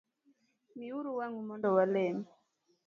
Miuru wang’ u mondo walem